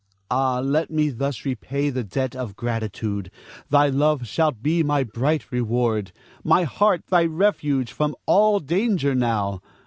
Ah, let me thus repay the debt of gratitude. Thy love shalt be my bright reward; my heart thy refuge from all danger now.